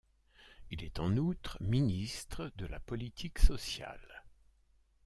Il est en outre ministre de la politique sociale.